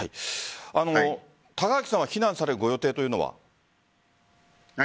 高垣さんは避難される予定というのは？